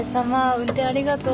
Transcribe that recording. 運転ありがとう。